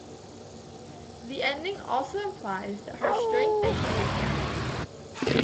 The ending also implies that her strength exceeded Karen's.